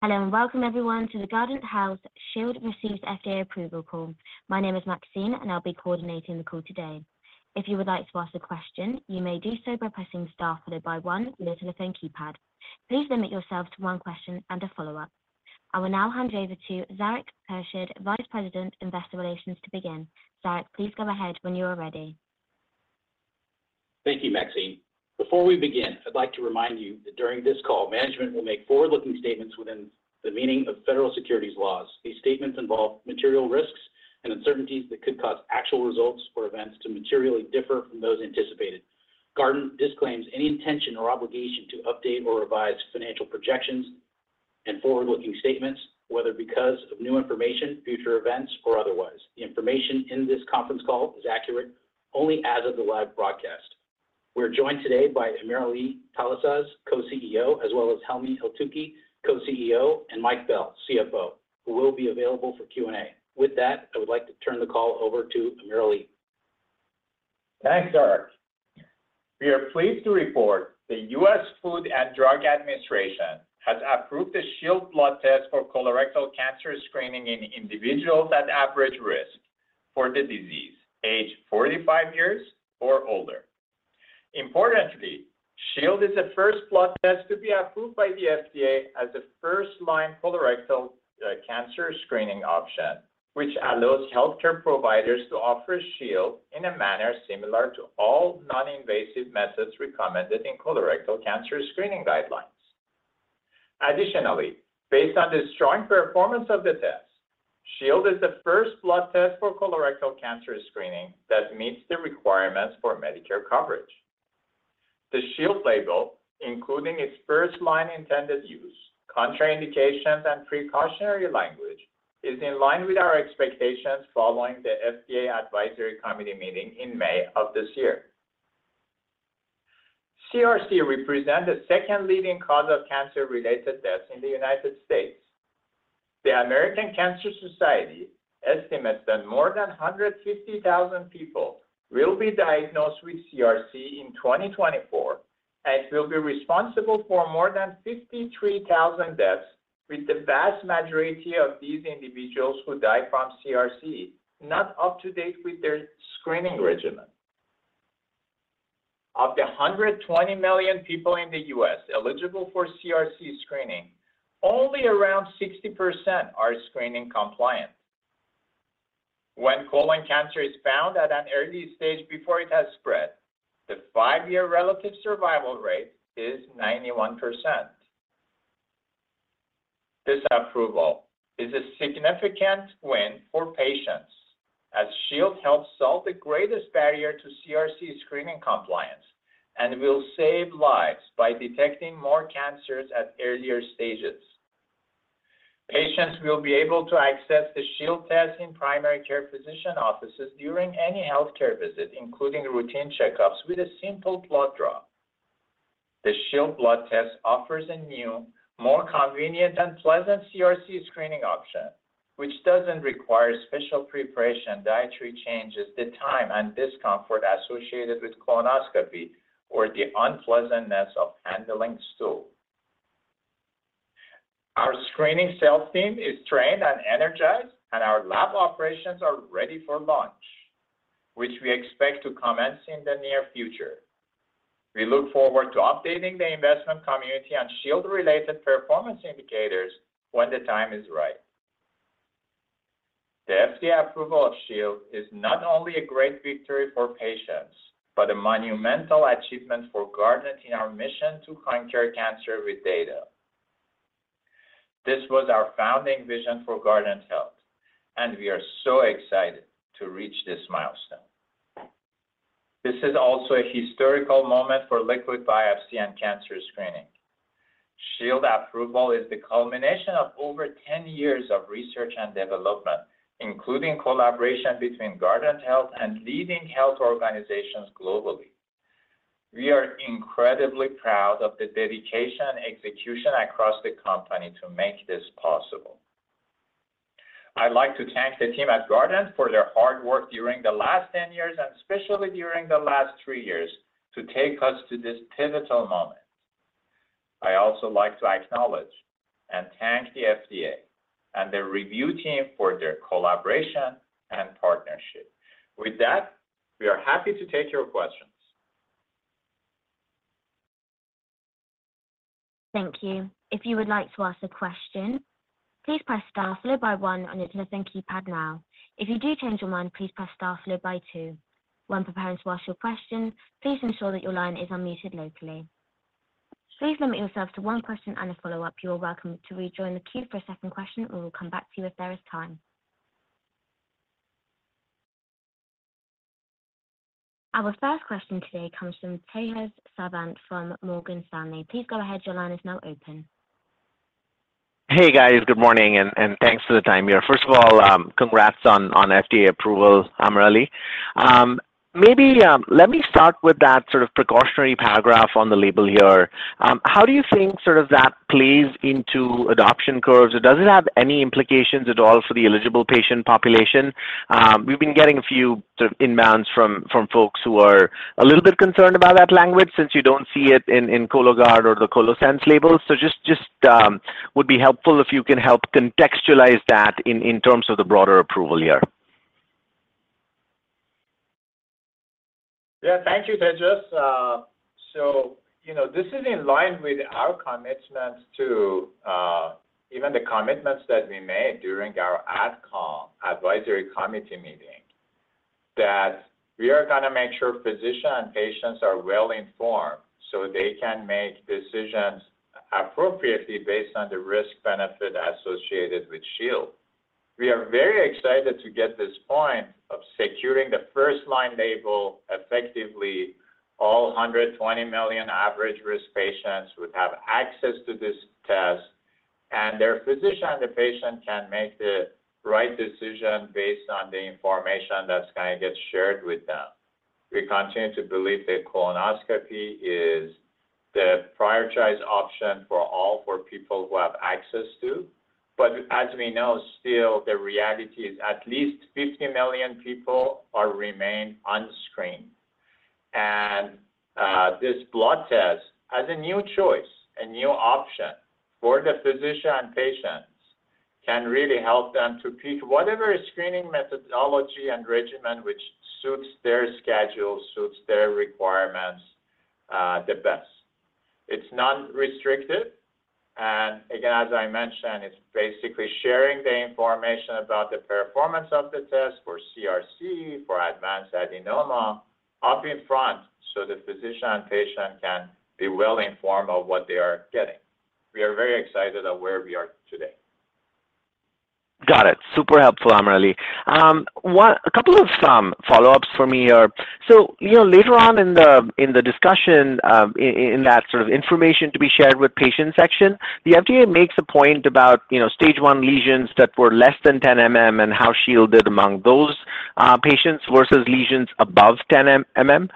Hello and welcome everyone to the Guardant Health Shield receives FDA approval call. My name is Maxine, and I'll be coordinating the call today. If you would like to ask a question, you may do so by pressing the star followed by one, literally the keypad. Please limit yourself to one question and a follow-up. I will now hand you over to Zarak Khurshid, Vice President, Investor Relations, to begin. Zarak, please go ahead when you are ready. Thank you, Maxine. Before we begin, I'd like to remind you that during this call, management will make forward-looking statements within the meaning of federal securities laws. These statements involve material risks and uncertainties that could cause actual results or events to materially differ from those anticipated. Guardant disclaims any intention or obligation to update or revise financial projections and forward-looking statements, whether because of new information, future events, or otherwise. The information in this conference call is accurate only as of the live broadcast. We're joined today by AmirAli Talasaz, Co-CEO, as well as Helmy Eltoukhy, Co-CEO, and Mike Bell, CFO, who will be available for Q&A. With that, I would like to turn the call over to AmirAli. Thanks, Zarak. We are pleased to report the U.S. Food and Drug Administration has approved the Shield blood test for colorectal cancer screening in individuals at average risk for the disease, age 45 years or older. Importantly, Shield is the first blood test to be approved by the FDA as a first-line colorectal cancer screening option, which allows healthcare providers to offer Shield in a manner similar to all non-invasive methods recommended in colorectal cancer screening guidelines. Additionally, based on the strong performance of the test, Shield is the first blood test for colorectal cancer screening that meets the requirements for Medicare coverage. The Shield label, including its first-line intended use, contraindications, and precautionary language, is in line with our expectations following the FDA Advisory Committee meeting in May of this year. CRC represents the second leading cause of cancer-related deaths in the United States. The American Cancer Society estimates that more than 150,000 people will be diagnosed with CRC in 2024, and it will be responsible for more than 53,000 deaths, with the vast majority of these individuals who die from CRC not up to date with their screening regimen. Of the 120 million people in the U.S. eligible for CRC screening, only around 60% are screening compliant. When colon cancer is found at an early stage before it has spread, the five-year relative survival rate is 91%. This approval is a significant win for patients, as Shield helps solve the greatest barrier to CRC screening compliance and will save lives by detecting more cancers at earlier stages. Patients will be able to access the Shield test in primary care physician offices during any healthcare visit, including routine checkups with a simple blood draw. The Shield blood test offers a new, more convenient, and pleasant CRC screening option, which doesn't require special preparation, dietary changes, the time, and discomfort associated with colonoscopy, or the unpleasantness of handling stool. Our screening sales team is trained and energized, and our lab operations are ready for launch, which we expect to commence in the near future. We look forward to updating the investment community on Shield-related performance indicators when the time is right. The FDA approval of Shield is not only a great victory for patients, but a monumental achievement for Guardant in our mission to conquer cancer with data. This was our founding vision for Guardant Health, and we are so excited to reach this milestone. This is also a historical moment for liquid biopsy and cancer screening. Shield approval is the culmination of over 10 years of research and development, including collaboration between Guardant Health and leading health organizations globally. We are incredibly proud of the dedication and execution across the company to make this possible. I'd like to thank the team at Guardant for their hard work during the last 10 years, and especially during the last three years, to take us to this pivotal moment. I also like to acknowledge and thank the FDA and the review team for their collaboration and partnership. With that, we are happy to take your questions. Thank you. If you would like to ask a question, please press star followed by one on the keypad now. If you do change your mind, please press star followed by two. When preparing to ask your question, please ensure that your line is unmuted locally. Please limit yourself to one question and a follow-up. You are welcome to rejoin the queue for a second question, or we'll come back to you if there is time. Our first question today comes from Tejas Savant from Morgan Stanley. Please go ahead. Your line is now open. Hey, guys. Good morning, and thanks for the time here. First of all, congrats on FDA approval, AmirAli. Maybe let me start with that sort of precautionary paragraph on the label here. How do you think sort of that plays into adoption curves? Does it have any implications at all for the eligible patient population? We've been getting a few sort of inbounds from folks who are a little bit concerned about that language since you don't see it in Cologuard or the ColoSense labels. So just would be helpful if you can help contextualize that in terms of the broader approval here. Yeah, thank you, Tejas. So this is in line with our commitment to even the commitments that we made during our ADCOM Advisory Committee meeting, that we are going to make sure physicians and patients are well-informed so they can make decisions appropriately based on the risk-benefit associated with Shield. We are very excited to get this point of securing the first-line label effectively. All 120 million average risk patients would have access to this test, and their physician and the patient can make the right decision based on the information that's going to get shared with them. We continue to believe that colonoscopy is the prioritized option for all for people who have access to. But as we know still, the reality is at least 50 million people remain unscreened. This blood test as a new choice, a new option for the physician and patients can really help them to pick whatever screening methodology and regimen which suits their schedule, suits their requirements the best. It's non-restrictive. And again, as I mentioned, it's basically sharing the information about the performance of the test for CRC, for advanced adenoma up in front so the physician and patient can be well-informed of what they are getting. We are very excited at where we are today. Got it. Super helpful, AmirAli. A couple of follow-ups for me are, so later on in the discussion, in that sort of information to be shared with patients section, the FDA makes a point about stage 1 lesions that were less than 10 mm and how Shield did among those patients versus lesions above 10 mm.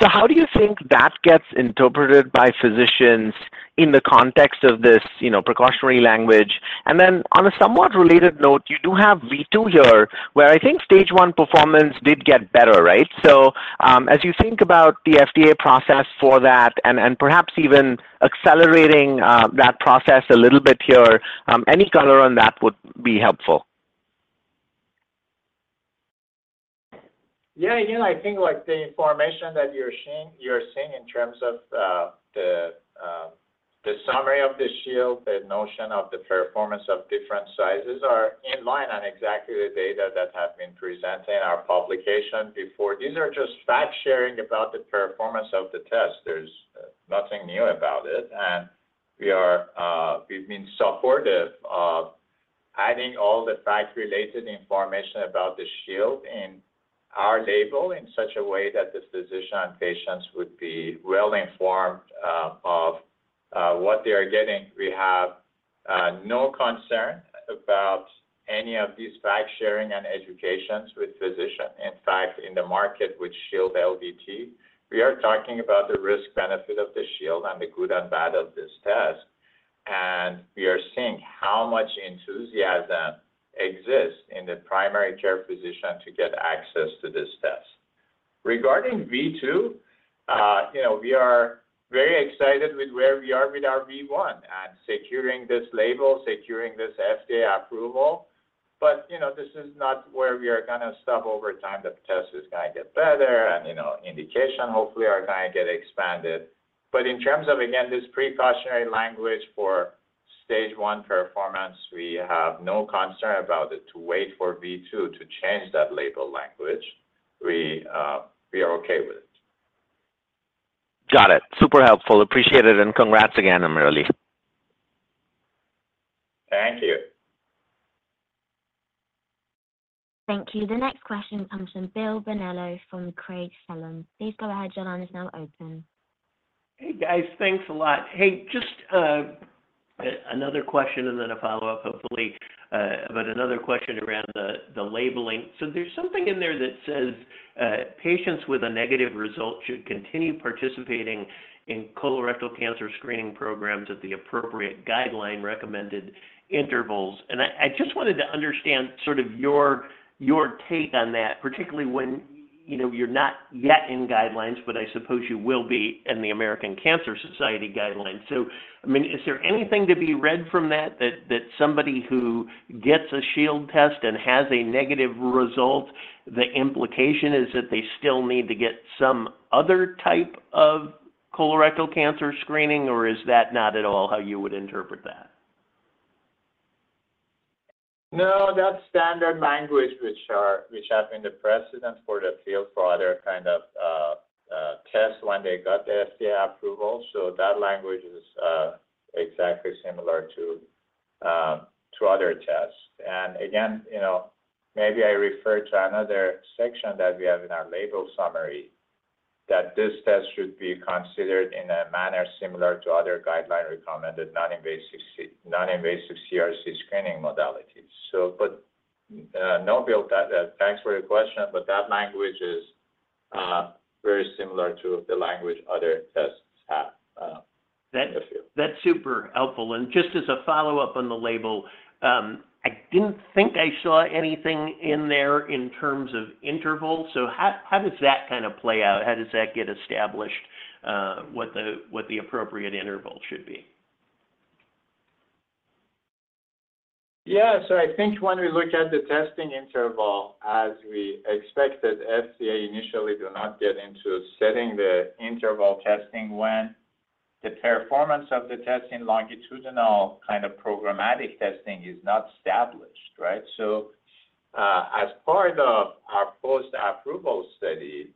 So how do you think that gets interpreted by physicians in the context of this precautionary language? And then on a somewhat related note, you do have V2 here, where I think stage one performance did get better, right? So as you think about the FDA process for that and perhaps even accelerating that process a little bit here, any color on that would be helpful. Yeah, again, I think the information that you're seeing in terms of the summary of the Shield, the notion of the performance of different sizes are in line on exactly the data that have been presented in our publication before. These are just fact-sharing about the performance of the test. There's nothing new about it. And we've been supportive of adding all the fact-related information about the Shield in our label in such a way that the physician and patients would be well-informed of what they are getting. We have no concern about any of these fact-sharing and educations with physicians. In fact, in the market with Shield LDT, we are talking about the risk-benefit of the Shield and the good and bad of this test. And we are seeing how much enthusiasm exists in the primary care physician to get access to this test. Regarding V2, we are very excited with where we are with our V1 and securing this label, securing this FDA approval. But this is not where we are going to stop over time. The test is going to get better, and indications hopefully are going to get expanded. But in terms of, again, this precautionary language for stage 1 performance, we have no concern about it to wait for V2 to change that label language. We are okay with it. Got it. Super helpful. Appreciate it. And congrats again, AmirAli. Thank you. Thank you. The next question comes from Bill Bonello from Craig-Hallum. Please go ahead. Your line is now open. Hey, guys. Thanks a lot. Hey, just another question and then a follow-up, hopefully, but another question around the labeling. So there's something in there that says patients with a negative result should continue participating in colorectal cancer screening programs at the appropriate guideline-recommended intervals. I just wanted to understand sort of your take on that, particularly when you're not yet in guidelines, but I suppose you will be in the American Cancer Society guidelines. So, I mean, is there anything to be read from that that somebody who gets a Shield test and has a negative result, the implication is that they still need to get some other type of colorectal cancer screening, or is that not at all how you would interpret that? No, that standard language which has been the precedent for the field for other kinds of tests when they got the FDA approval. So that language is exactly similar to other tests. And again, maybe I refer to another section that we have in our label summary that this test should be considered in a manner similar to other guideline-recommended non-invasive CRC screening modalities. But no, Bill, thanks for your question, but that language is very similar to the language other tests have in the field. That's super helpful. And just as a follow-up on the label, I didn't think I saw anything in there in terms of interval. So how does that kind of play out? How does that get established, what the appropriate interval should be? Yeah. So I think when we look at the testing interval, as we expected, FDA initially did not get into setting the interval testing when the performance of the test in longitudinal kind of programmatic testing is not established, right? So as part of our post-approval study,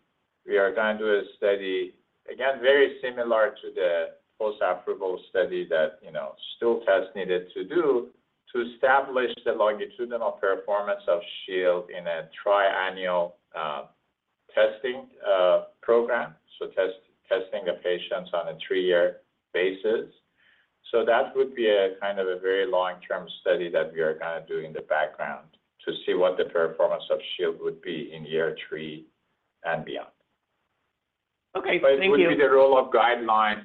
we are going to do a study, again, very similar to the post-approval study that stool test needed to do to establish the longitudinal performance of Shield in a triennial testing program, so testing the patients on a 3-year basis. So that would be a kind of a very long-term study that we are going to do in the background to see what the performance of Shield would be in year 3 and beyond. Okay. Thank you. But it would be the role of guidelines,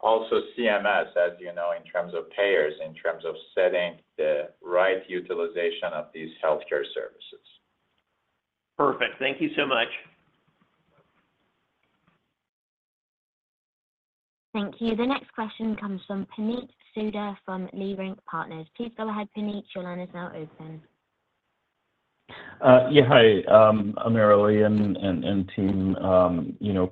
also CMS, as you know, in terms of payers, in terms of setting the right utilization of these healthcare services. Perfect. Thank you so much. Thank you. The next question comes from Puneet Souda from Leerink Partners. Please go ahead, Puneet. Your line is now open. Yeah, hi. AmirAli and team,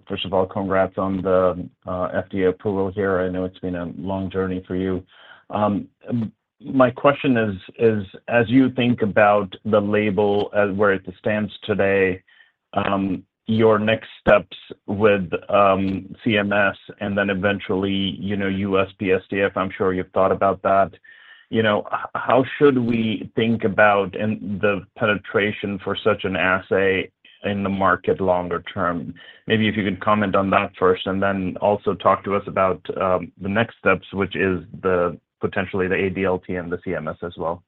first of all, congrats on the FDA approval here. I know it's been a long journey for you. My question is, as you think about the label where it stands today, your next steps with CMS and then eventually USPSTF, I'm sure you've thought about that. How should we think about the penetration for such an assay in the market longer term? Maybe if you could comment on that first and then also talk to us about the next steps, which is potentially the ADLT and the CMS as well.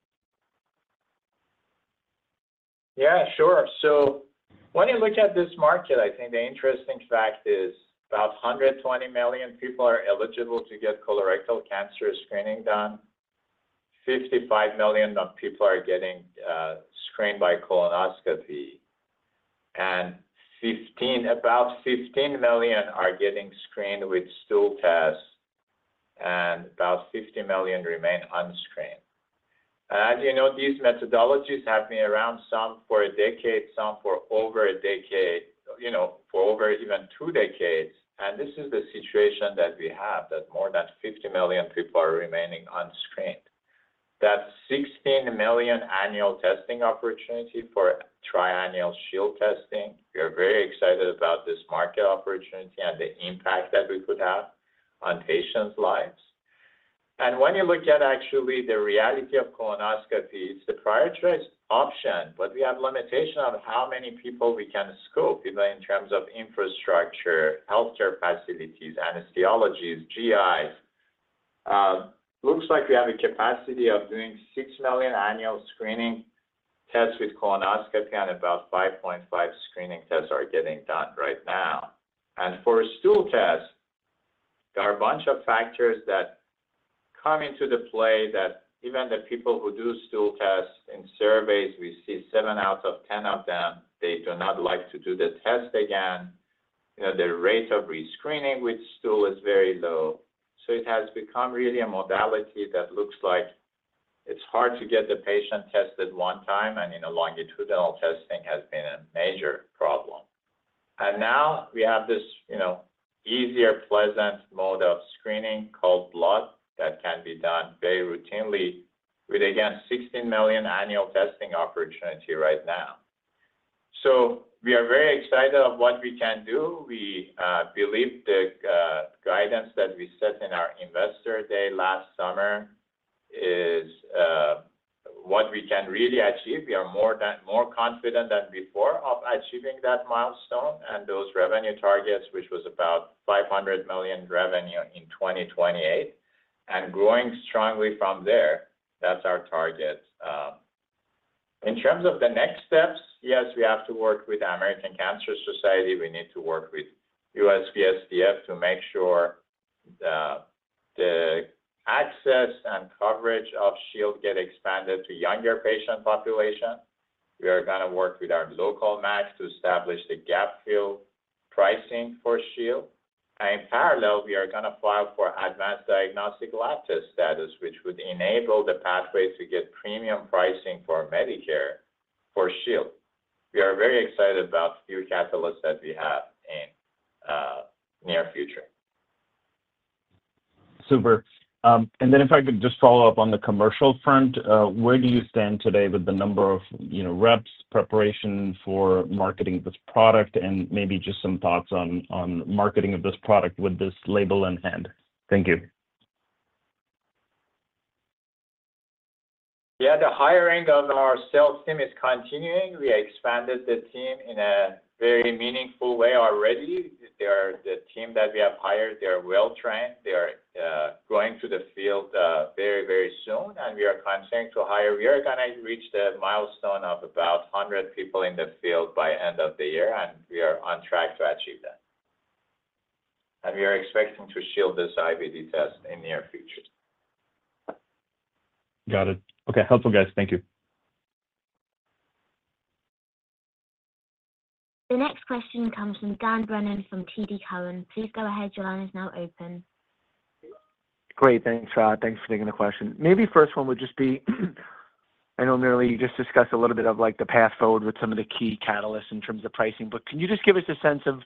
Yeah, sure. So when you look at this market, I think the interesting fact is about 120 million people are eligible to get colorectal cancer screening done. 55 million people are getting screened by colonoscopy. And about 15 million are getting screened with stool test, and about 50 million remain unscreened. And as you know, these methodologies have been around some for a decade, some for over a decade, for over even two decades. And this is the situation that we have, that more than 50 million people are remaining unscreened. That's 16 million annual testing opportunity for triennial Shield testing. We are very excited about this market opportunity and the impact that we could have on patients' lives. When you look at actually the reality of colonoscopy, it's the prioritized option, but we have limitation on how many people we can scope, even in terms of infrastructure, healthcare facilities, anesthesiologists, GIs. Looks like we have a capacity of doing 6 million annual screening tests with colonoscopy, and about 5.5 screening tests are getting done right now. For stool test, there are a bunch of factors that come into the play that even the people who do stool tests in surveys, we see 7 out of 10 of them, they do not like to do the test again. The rate of rescreening with stool is very low. It has become really a modality that looks like it's hard to get the patient tested one time, and longitudinal testing has been a major problem. Now we have this easier, pleasant mode of screening called blood that can be done very routinely with, again, 16 million annual testing opportunity right now. So we are very excited about what we can do. We believe the guidance that we set in our Investor Day last summer is what we can really achieve. We are more confident than before of achieving that milestone and those revenue targets, which was about $500 million revenue in 2028, and growing strongly from there. That's our target. In terms of the next steps, yes, we have to work with the American Cancer Society. We need to work with USPSTF to make sure the access and coverage of Shield gets expanded to younger patient population. We are going to work with our local MACs to establish the gap fill pricing for Shield. In parallel, we are going to file for Advanced Diagnostic Lab Test status, which would enable the pathway to get premium pricing for Medicare for Shield. We are very excited about the few catalysts that we have in the near future. Super. And then if I could just follow up on the commercial front, where do you stand today with the number of reps, preparation for marketing this product, and maybe just some thoughts on marketing of this product with this label in hand? Thank you. Yeah, the hiring of our sales team is continuing. We expanded the team in a very meaningful way already. The team that we have hired, they are well-trained. They are going to the field very, very soon. And we are continuing to hire. We are going to reach the milestone of about 100 people in the field by the end of the year, and we are on track to achieve that. And we are expecting to Shield this IVD test in the near future. Got it. Okay. Helpful, guys. Thank you. The next question comes from Dan Brennan from TD Cowen. Please go ahead. Your line is now open. Great. Thanks, uh, thanks for taking the question. Maybe first one would just be, I know, AmirAli, you just discussed a little bit of the path forward with some of the key catalysts in terms of pricing, but can you just give us a sense of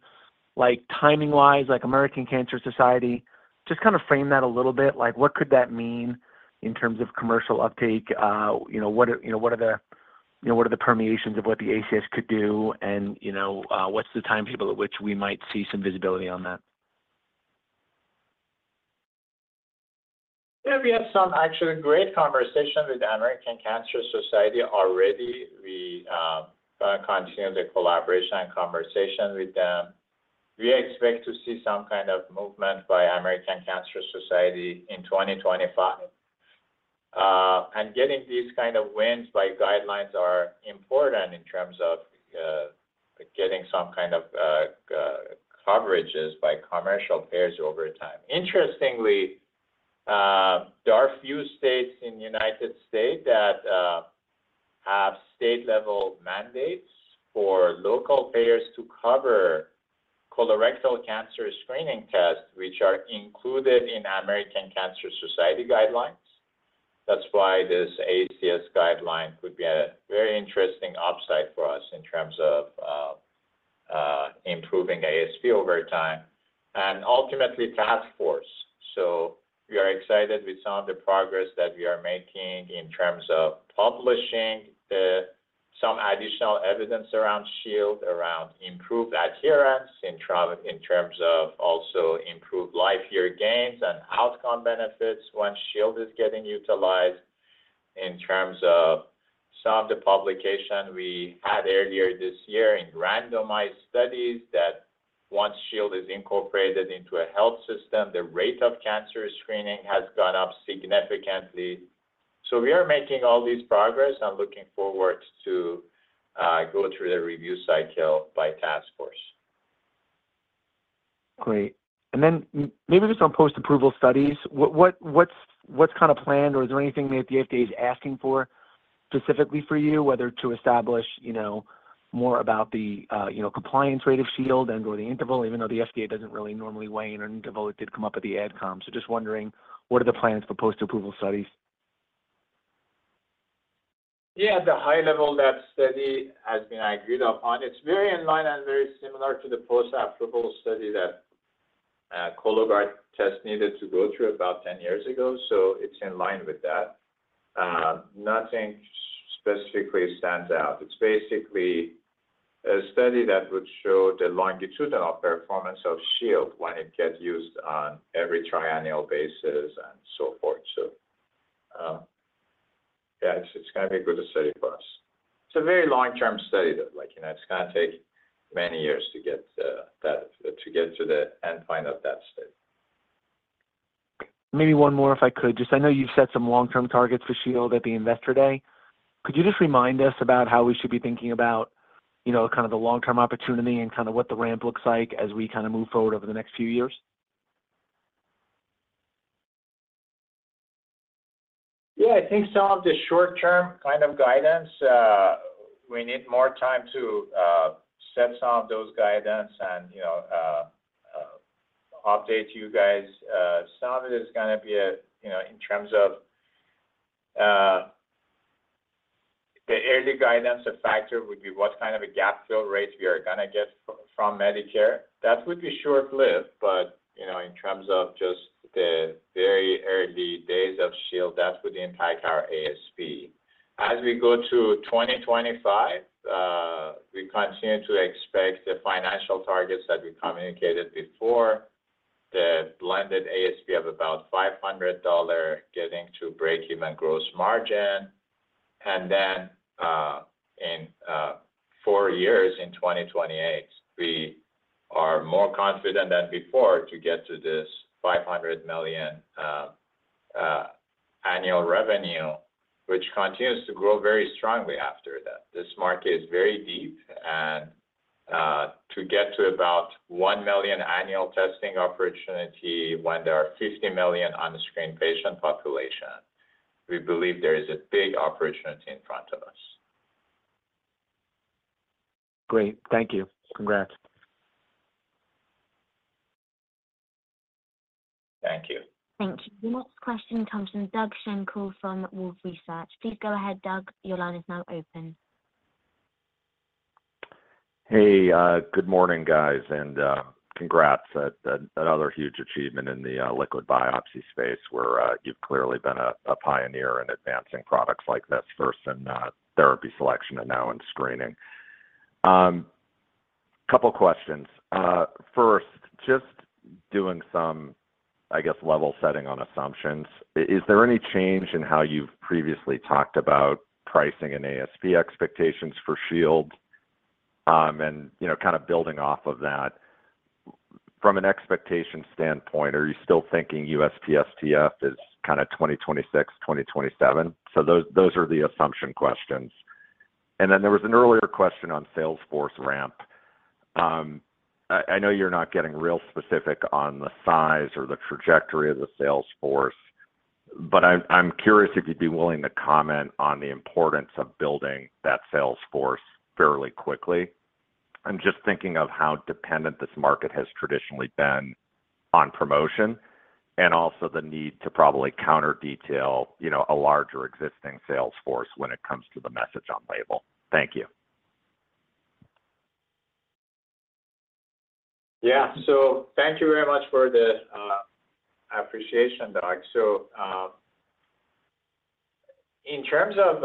timing-wise, like American Cancer Society, just kind of frame that a little bit? What could that mean in terms of commercial uptake? What are the ramifications of what the ACS could do, and what's the timetable at which we might see some visibility on that? Yeah, we have some actually great conversation with the American Cancer Society already. We continue the collaboration and conversation with them. We expect to see some kind of movement by American Cancer Society in 2025. Getting these kinds of wins by guidelines are important in terms of getting some kind of coverages by commercial payers over time. Interestingly, there are a few states in the United States that have state-level mandates for local payers to cover colorectal cancer screening tests, which are included in American Cancer Society guidelines. That's why this ACS guideline could be a very interesting upside for us in terms of improving ASP over time and ultimately Task Force. So we are excited with some of the progress that we are making in terms of publishing some additional evidence around Shield, around improved adherence in terms of also improved life year gains and outcome benefits when Shield is getting utilized in terms of some of the publication we had earlier this year in randomized studies that once Shield is incorporated into a health system, the rate of cancer screening has gone up significantly. So we are making all this progress and looking forward to go through the review cycle by Task Force. Great. And then maybe just on post-approval studies, what's kind of planned, or is there anything that the FDA is asking for specifically for you, whether to establish more about the compliance rate of Shield and/or the interval, even though the FDA doesn't really normally weigh in on interval? It did come up at the AdCom. So just wondering, what are the plans for post-approval studies? Yeah, the high-level lab study has been agreed upon. It's very in line and very similar to the post-approval study that Cologuard test needed to go through about 10 years ago. So it's in line with that. Nothing specifically stands out. It's basically a study that would show the longitudinal performance of Shield when it gets used on every triennial basis and so forth. So yeah, it's going to be a good study for us. It's a very long-term study, though. It's going to take many years to get to the end point of that study. Maybe one more, if I could. Just I know you've set some long-term targets for Shield at the Investor Day. Could you just remind us about how we should be thinking about kind of the long-term opportunity and kind of what the ramp looks like as we kind of move forward over the next few years? Yeah, I think some of the short-term kind of guidance, we need more time to set some of those guidance and update you guys. Some of it is going to be in terms of the early guidance, a factor would be what kind of a gap fill rate we are going to get from Medicare. That would be short-lived, but in terms of just the very early days of Shield, that would impact our ASP. As we go to 2025, we continue to expect the financial targets that we communicated before, the blended ASP of about $500 getting to break-even gross margin. And then in four years, in 2028, we are more confident than before to get to this $500 million annual revenue, which continues to grow very strongly after that. This market is very deep. To get to about 1 million annual testing opportunity when there are 50 million unscreened patient population, we believe there is a big opportunity in front of us. Great. Thank you. Congrats. Thank you. Thank you. The next question comes from Doug Schenkel from Wolfe Research. Please go ahead, Doug. Your line is now open. Hey, good morning, guys. Congrats on another huge achievement in the liquid biopsy space, where you've clearly been a pioneer in advancing products like this first in therapy selection and now in screening. A couple of questions. First, just doing some, I guess, level setting on assumptions. Is there any change in how you've previously talked about pricing and ASP expectations for Shield? Kind of building off of that, from an expectation standpoint, are you still thinking USPSTF is kind of 2026, 2027? Those are the assumption questions. Then there was an earlier question on sales force ramp. I know you're not getting real specific on the size or the trajectory of the sales force, but I'm curious if you'd be willing to comment on the importance of building that sales force fairly quickly. I'm just thinking of how dependent this market has traditionally been on promotion and also the need to probably counter-detail a larger existing sales force when it comes to the message on label. Thank you. Yeah. Thank you very much for the appreciation, Doug. In terms of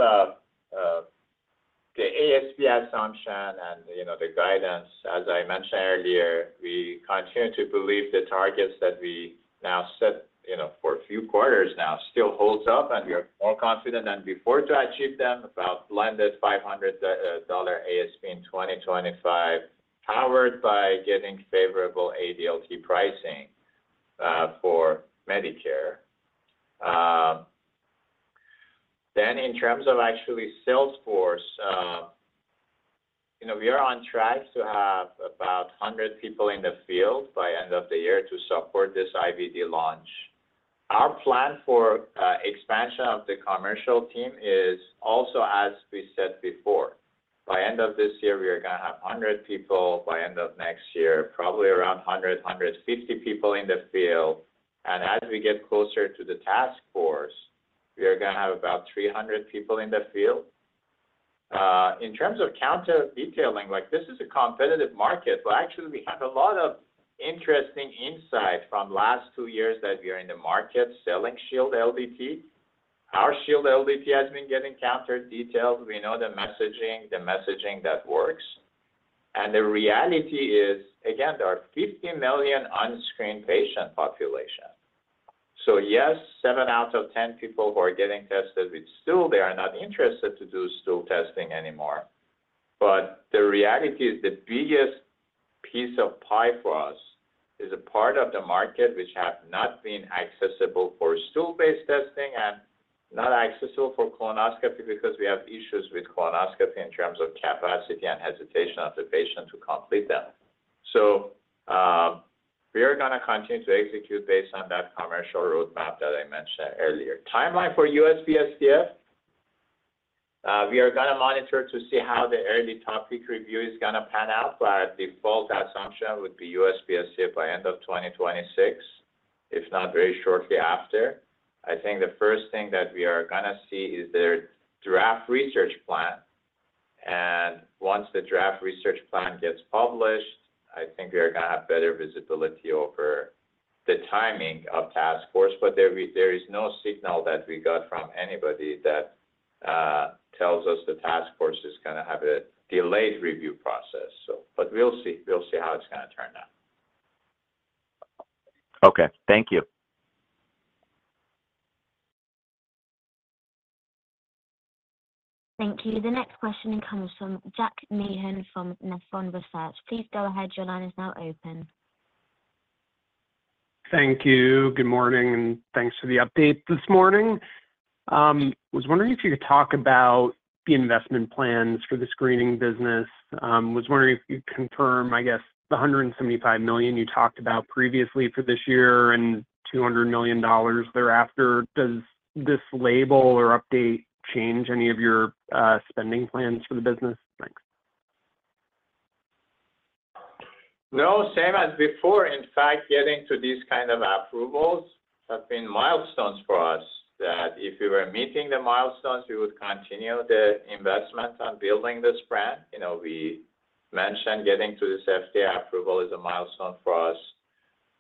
the ASP assumption and the guidance, as I mentioned earlier, we continue to believe the targets that we now set for a few quarters now still hold up, and we are more confident than before to achieve them about blended $500 ASP in 2025, powered by getting favorable ADLT pricing for Medicare. In terms of actually sales force, we are on track to have about 100 people in the field by the end of the year to support this IVD launch. Our plan for expansion of the commercial team is also, as we said before, by the end of this year, we are going to have 100 people by the end of next year, probably around 100-150 people in the field. As we get closer to the Task Force, we are going to have about 300 people in the field. In terms of counter-detailing, this is a competitive market. Well, actually, we have a lot of interesting insight from the last two years that we are in the market selling Shield LDT. Our Shield LDT has been getting counter-detailed. We know the messaging, the messaging that works. And the reality is, again, there are 50 million unscreened patient population. So yes, 7 out of 10 people who are getting tested with stool, they are not interested to do stool testing anymore. But the reality is the biggest piece of pie for us is a part of the market which has not been accessible for stool-based testing and not accessible for colonoscopy because we have issues with colonoscopy in terms of capacity and hesitation of the patient to complete them. So we are going to continue to execute based on that commercial roadmap that I mentioned earlier. Timeline for USPSTF, we are going to monitor to see how the early topic review is going to pan out, but the default assumption would be USPSTF by the end of 2026, if not very shortly after. I think the first thing that we are going to see is the draft research plan. And once the draft research plan gets published, I think we are going to have better visibility over the timing of Task Force. But there is no signal that we got from anybody that tells us the Task Force is going to have a delayed review process. But we'll see. We'll see how it's going to turn out. Okay. Thank you. Thank you. The next question comes from Jack Meehan from Nephron Research. Please go ahead. Your line is now open. Thank you. Good morning. And thanks for the update this morning. I was wondering if you could talk about the investment plans for the screening business. I was wondering if you could confirm, I guess, the $175 million you talked about previously for this year and $200 million thereafter. Does this label or update change any of your spending plans for the business? Thanks. No. Same as before. In fact, getting to these kinds of approvals have been milestones for us that if we were meeting the milestones, we would continue the investment on building this brand. We mentioned getting to this FDA approval is a milestone for us.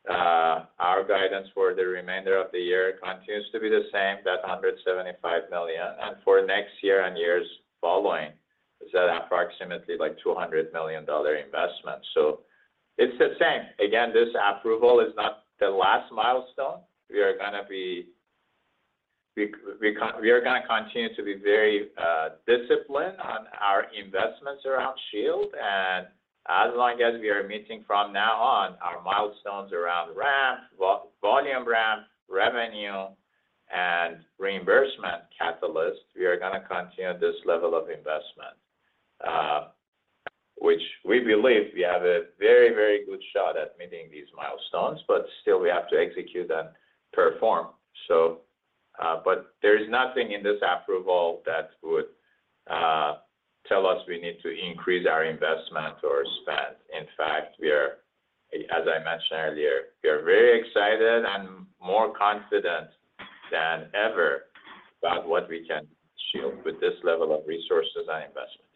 Our guidance for the remainder of the year continues to be the same, that $175 million. And for next year and years following, it's at approximately like $200 million investment. So it's the same. Again, this approval is not the last milestone. We are going to continue to be very disciplined on our investments around Shield. As long as we are meeting from now on our milestones around ramp, volume ramp, revenue, and reimbursement catalyst, we are going to continue this level of investment, which we believe we have a very, very good shot at meeting these milestones, but still we have to execute and perform. There is nothing in this approval that would tell us we need to increase our investment or spend. In fact, as I mentioned earlier, we are very excited and more confident than ever about what we can achieve with this level of resources and investments.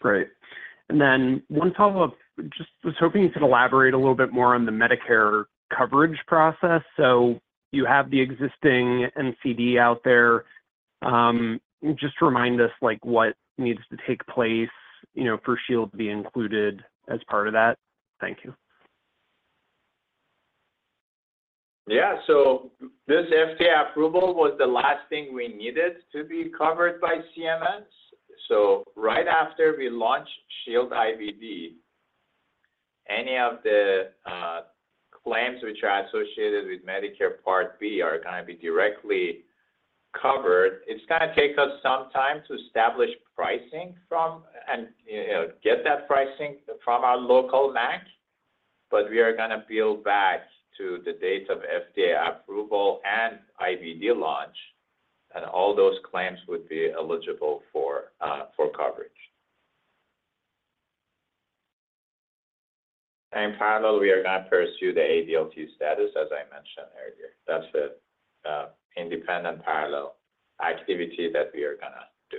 Great. And then one follow-up. Just was hoping you could elaborate a little bit more on the Medicare coverage process. So you have the existing NCD out there. Just remind us what needs to take place for Shield to be included as part of that. Thank you. Yeah. So this FDA approval was the last thing we needed to be covered by CMS. So right after we launched Shield IVD, any of the claims which are associated with Medicare Part B are going to be directly covered. It's going to take us some time to establish pricing from and get that pricing from our local MAC. But we are going to bill back to the date of FDA approval and IVD launch, and all those claims would be eligible for coverage. And in parallel, we are going to pursue the ADLT status, as I mentioned earlier. That's the independent parallel activity that we are going to do.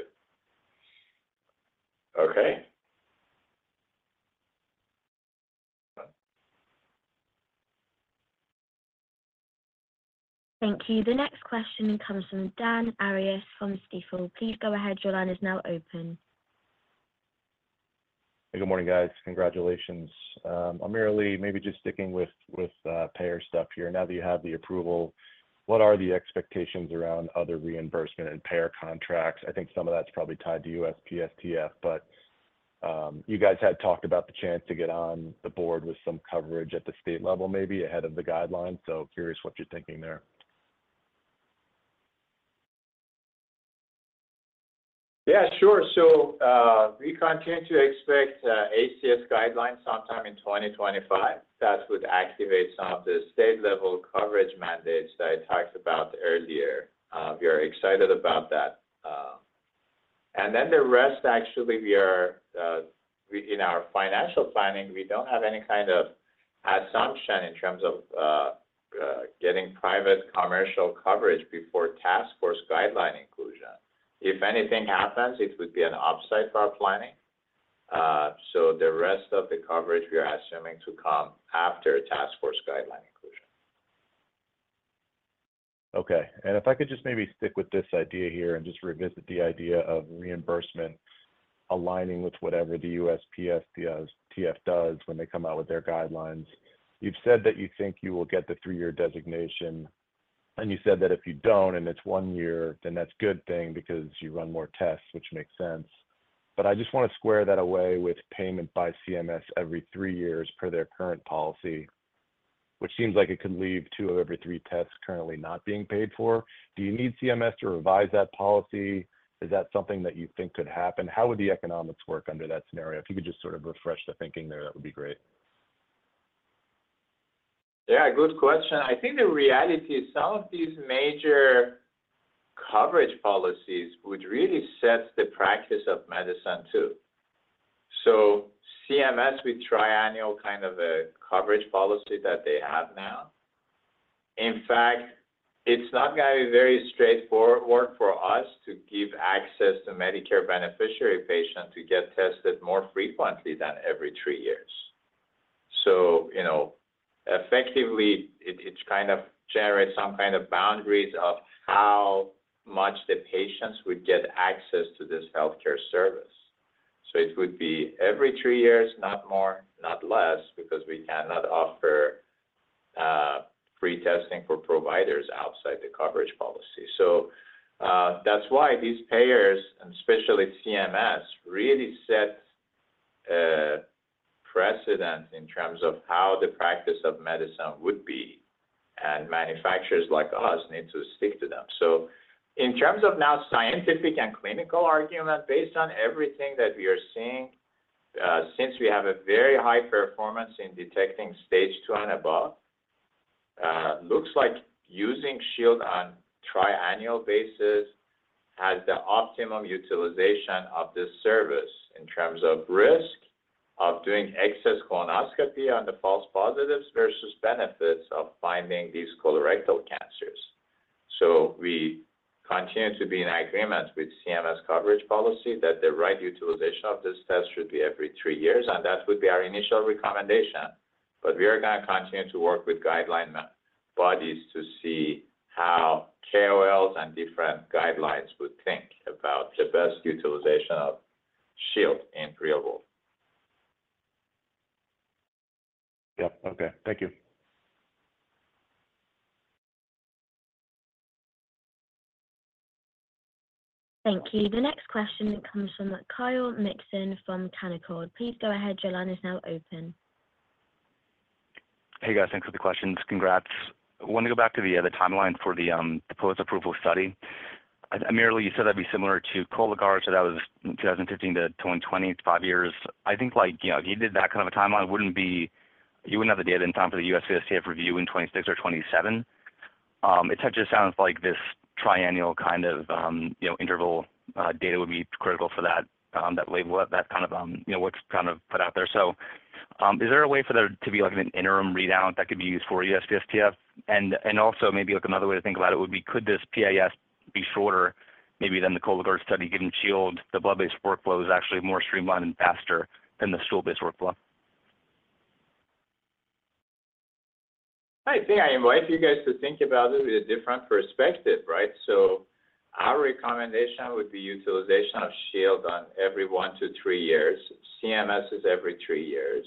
Okay. Thank you. The next question comes from Dan Arias from Stifel. Please go ahead. Your line is now open. Good morning, guys. Congratulations. I'm merely maybe just sticking with payer stuff here. Now that you have the approval, what are the expectations around other reimbursement and payer contracts? I think some of that's probably tied to USPSTF, but you guys had talked about the chance to get on the board with some coverage at the state level maybe ahead of the guidelines. So curious what you're thinking there. Yeah, sure. So we continue to expect ACS guidelines sometime in 2025. That would activate some of the state-level coverage mandates that I talked about earlier. We are excited about that. And then the rest, actually, we are in our financial planning, we don't have any kind of assumption in terms of getting private commercial coverage before Task Force guideline inclusion. If anything happens, it would be an upside for our planning. So the rest of the coverage, we are assuming to come after Task Force guideline inclusion. Okay. And if I could just maybe stick with this idea here and just revisit the idea of reimbursement aligning with whatever the USPSTF does when they come out with their guidelines. You've said that you think you will get the three-year designation, and you said that if you don't and it's one year, then that's a good thing because you run more tests, which makes sense. But I just want to square that away with payment by CMS every three years per their current policy, which seems like it could leave two of every three tests currently not being paid for. Do you need CMS to revise that policy? Is that something that you think could happen? How would the economics work under that scenario? If you could just sort of refresh the thinking there, that would be great. Yeah. Good question. I think the reality is some of these major coverage policies would really set the practice of medicine too. So CMS with triennial kind of a coverage policy that they have now. In fact, it's not going to be very straightforward for us to give access to Medicare beneficiary patients to get tested more frequently than every three years. So effectively, it's kind of generates some kind of boundaries of how much the patients would get access to this healthcare service. So it would be every three years, not more, not less, because we cannot offer free testing for providers outside the coverage policy. So that's why these payers, and especially CMS, really set precedents in terms of how the practice of medicine would be, and manufacturers like us need to stick to them. So in terms of now scientific and clinical argument, based on everything that we are seeing, since we have a very high performance in detecting stage 2 and above, it looks like using Shield on a triennial basis has the optimum utilization of this service in terms of risk of doing excess colonoscopy on the false positives versus benefits of finding these colorectal cancers. So we continue to be in agreement with CMS coverage policy that the right utilization of this test should be every three years, and that would be our initial recommendation. But we are going to continue to work with guideline bodies to see how KOLs and different guidelines would think about the best utilization of Shield in practice. Yep. Okay. Thank you. Thank you. The next question comes from Kyle Mikson from Canaccord. Please go ahead. Your line is now open. Hey, guys. Thanks for the questions. Congrats. I want to go back to the timeline for the proposed approval study. AmirAli, you said that'd be similar to Cologuard, so that was 2015 to 2020, five years. I think if you did that kind of a timeline, it wouldn't have the data in time for the USPSTF review in 2026 or 2027. It just sounds like this triennial kind of interval data would be critical for that label up, that kind of what's kind of put out there. So is there a way for there to be an interim readout that could be used for USPSTF? And also, maybe another way to think about it would be, could this PIS be shorter maybe than the Cologuard study, given Shield, the blood-based workflow is actually more streamlined and faster than the stool-based workflow? I think I invite you guys to think about it with a different perspective, right? So our recommendation would be utilization of Shield on every 1-3 years. CMS is every three years.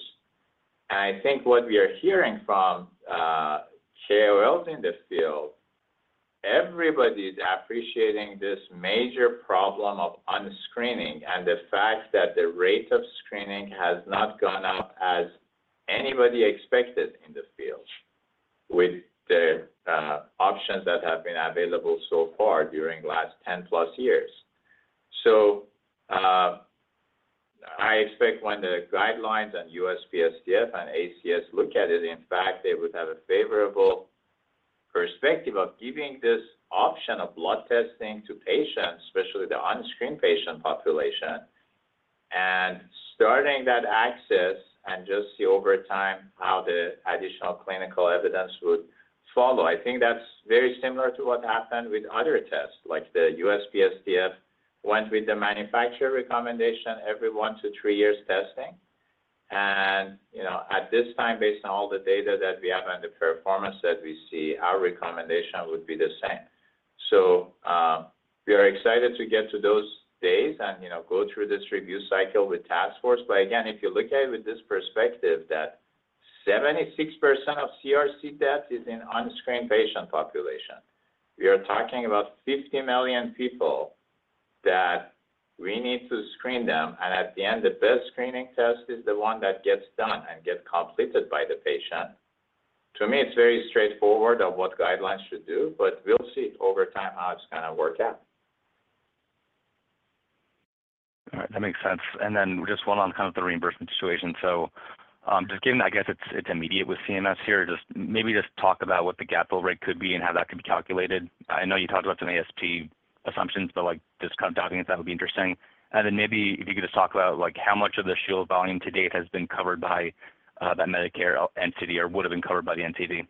And I think what we are hearing from KOLs in the field, everybody's appreciating this major problem of unscreening and the fact that the rate of screening has not gone up as anybody expected in the field with the options that have been available so far during the last 10+ years. So I expect when the guidelines on USPSTF and ACS look at it, in fact, they would have a favorable perspective of giving this option of blood testing to patients, especially the unscreened patient population, and starting that access and just see over time how the additional clinical evidence would follow. I think that's very similar to what happened with other tests. The USPSTF went with the manufacturer recommendation, every 1-3 years testing. At this time, based on all the data that we have and the performance that we see, our recommendation would be the same. We are excited to get to those days and go through this review cycle with Task Force. Again, if you look at it with this perspective that 76% of CRC death is in unscreened patient population, we are talking about 50 million people that we need to screen them. At the end, the best screening test is the one that gets done and gets completed by the patient. To me, it's very straightforward of what guidelines should do, but we'll see over time how it's going to work out. All right. That makes sense. Then just one on kind of the reimbursement situation. So just given, I guess, it's immediate with CMS here, just maybe just talk about what the gap fill rate could be and how that could be calculated. I know you talked about some ASP assumptions, but just kind of diving into that would be interesting. And then maybe if you could just talk about how much of the Shield volume to date has been covered by that Medicare entity or would have been covered by the entity.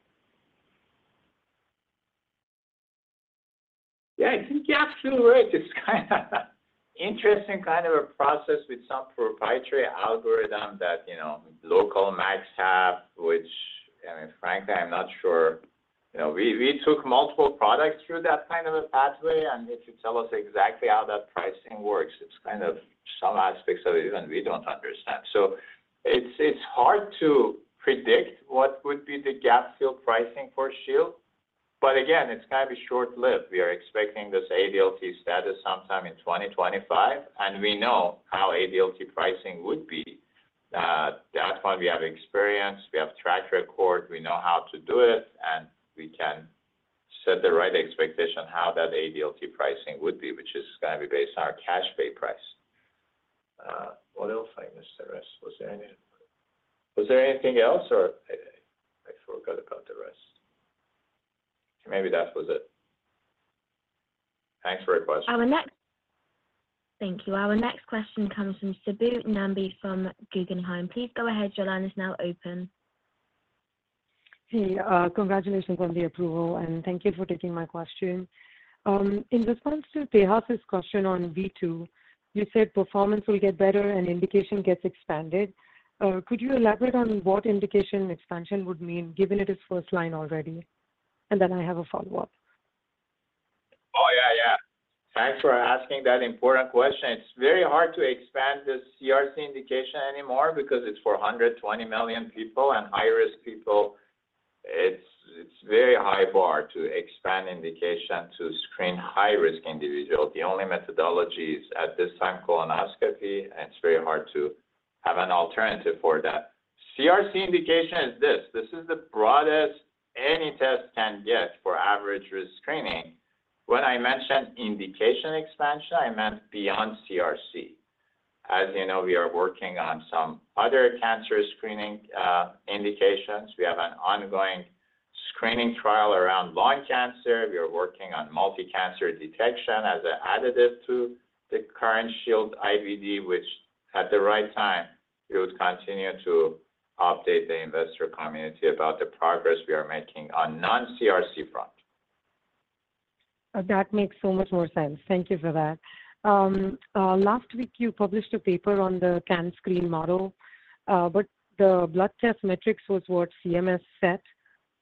Yeah. I think you're absolutely right. It's kind of interesting kind of a process with some proprietary algorithm that local MACs have, which, frankly, I'm not sure. We took multiple products through that kind of a pathway, and if you tell us exactly how that pricing works, it's kind of some aspects of it even we don't understand. So it's hard to predict what would be the gap fill pricing for Shield. But again, it's going to be short-lived. We are expecting this ADLT status sometime in 2025, and we know how ADLT pricing would be. That's what we have experienced. We have track record. We know how to do it, and we can set the right expectation on how that ADLT pricing would be, which is going to be based on our cash pay price. What else I missed? The rest. Was there anything else? Or I forgot about the rest. Maybe that was it. Thanks for your question. Thank you. Our next question comes from Subbu Nambi from Guggenheim. Please go ahead. Your line is now open. Hey. Congratulations on the approval, and thank you for taking my question. In response to Tejas' question on V2, you said performance will get better and indication gets expanded. Could you elaborate on what indication expansion would mean, given it is first line already? And then I have a follow-up. Oh, yeah, yeah. Thanks for asking that important question. It's very hard to expand the CRC indication anymore because it's for 120 million people and high-risk people. It's a very high bar to expand indication to screen high-risk individuals. The only methodology is, at this time, colonoscopy, and it's very hard to have an alternative for that. CRC indication is this. This is the broadest any test can get for average risk screening. When I mentioned indication expansion, I meant beyond CRC. As you know, we are working on some other cancer screening indications. We have an ongoing screening trial around lung cancer. We are working on multicancer detection as an additive to the current Shield IVD, which at the right time, we would continue to update the investor community about the progress we are making on the non-CRC front. That makes so much more sense. Thank you for that. Last week, you published a paper on the CAN-SCREEN model, but the blood test metrics was what CMS set.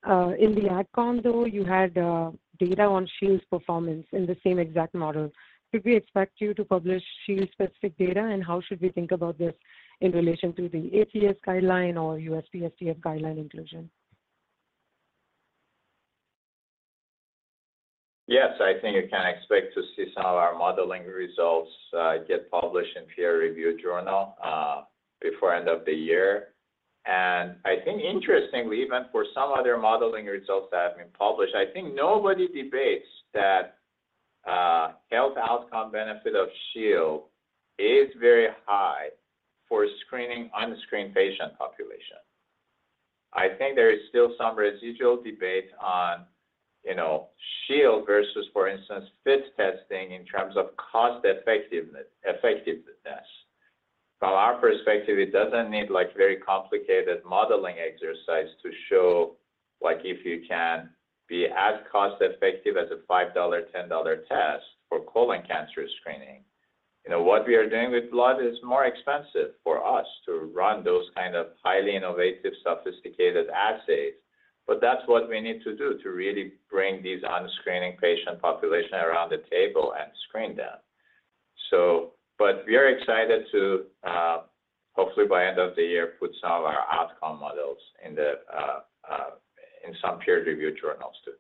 In the AdCom, though, you had data on Shield's performance in the same exact model. Could we expect you to publish Shield-specific data, and how should we think about this in relation to the ACS guideline or USPSTF guideline inclusion? Yes. I think you can expect to see some of our modeling results get published in the peer-reviewed journal before the end of the year. I think, interestingly, even for some other modeling results that have been published, I think nobody debates that health outcome benefit of Shield is very high for screening unscreened patient population. I think there is still some residual debate on Shield versus, for instance, FIT testing in terms of cost-effectiveness. From our perspective, it doesn't need very complicated modeling exercise to show if you can be as cost-effective as a $5, $10 test for colon cancer screening. What we are doing with blood is more expensive for us to run those kind of highly innovative, sophisticated assays, but that's what we need to do to really bring these unscreened patient population around the table and screen them. We are excited to, hopefully, by the end of the year, put some of our outcome models in some peer-reviewed journals too.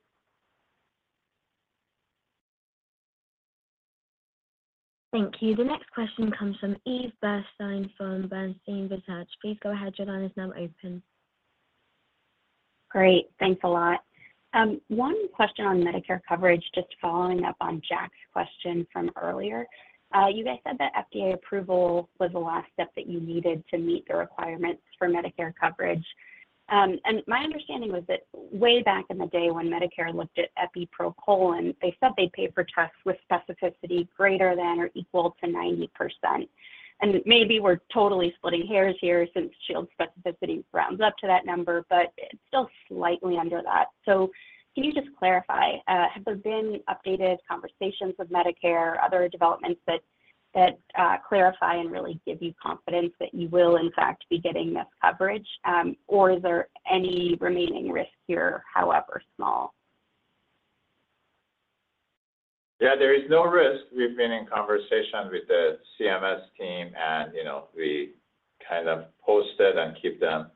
Thank you. The next question comes from Eve Burstein from Bernstein Research. Please go ahead. Your line is now open. Great. Thanks a lot. One question on Medicare coverage, just following up on Jack's question from earlier. You guys said that FDA approval was the last step that you needed to meet the requirements for Medicare coverage. My understanding was that way back in the day, when Medicare looked at Epi proColon, they said they'd pay for tests with specificity greater than or equal to 90%. Maybe we're totally splitting hairs here since Shield specificity rounds up to that number, but it's still slightly under that. Can you just clarify, have there been updated conversations with Medicare or other developments that clarify and really give you confidence that you will, in fact, be getting this coverage, or is there any remaining risk here, however small? Yeah. There is no risk. We've been in conversation with the CMS team, and we kind of posted and keep them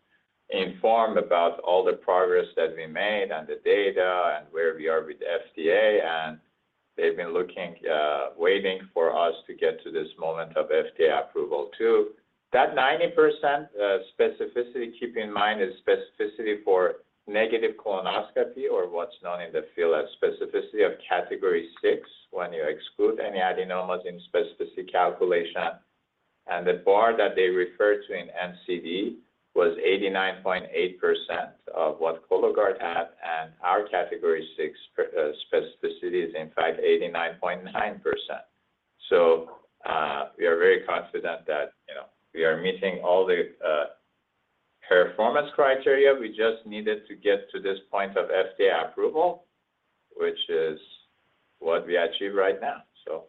informed about all the progress that we made and the data and where we are with the FDA. And they've been waiting for us to get to this moment of FDA approval too. That 90% specificity, keep in mind, is specificity for negative colonoscopy or what's known in the field as specificity of category 6 when you exclude any adenomas in specificity calculation. And the bar that they refer to in NCD was 89.8% of what Cologuard had, and our category 6 specificity is, in fact, 89.9%. So we are very confident that we are meeting all the performance criteria. We just needed to get to this point of FDA approval, which is what we achieve right now. So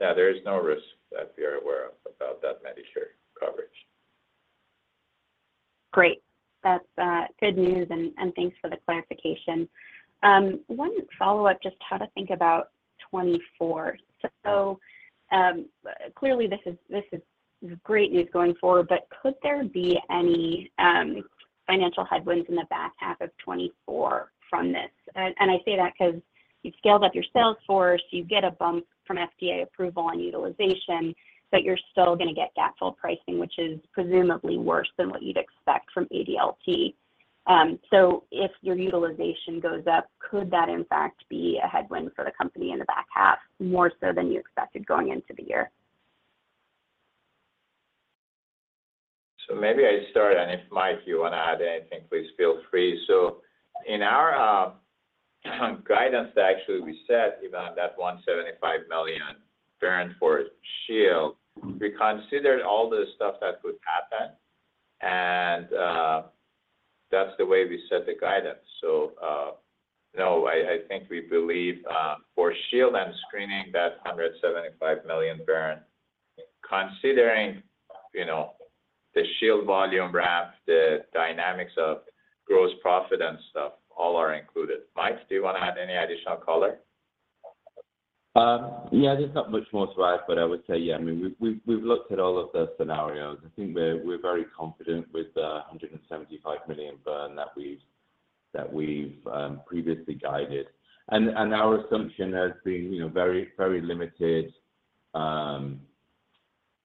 yeah, there is no risk that we are aware of about that Medicare coverage. Great. That's good news, and thanks for the clarification. One follow-up, just how to think about 2024. So clearly, this is great news going forward, but could there be any financial headwinds in the back half of 2024 from this? And I say that because you've scaled up your sales force, you get a bump from FDA approval and utilization, but you're still going to get gap fill pricing, which is presumably worse than what you'd expect from ADLT. So if your utilization goes up, could that, in fact, be a headwind for the company in the back half more so than you expected going into the year? So maybe I start, and if Mike, you want to add anything, please feel free. So in our guidance, actually, we said even that $175 million bearing for Shield, we considered all the stuff that could happen, and that's the way we set the guidance. So no, I think we believe for Shield and screening, that $175 million burn, considering the Shield volume wrapped, the dynamics of gross profit and stuff, all are included. Mike, do you want to add any additional color? Yeah. There's not much more to add, but I would say, yeah, I mean, we've looked at all of the scenarios. I think we're very confident with the $175 million burn that we've previously guided. And our assumption has been very limited